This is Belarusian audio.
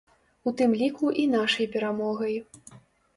У тым ліку і нашай перамогай.